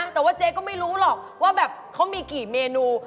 แต่ว่าเจ๊ก็ไม่รู้หรอกว่าแบบเขามีกี่เมนู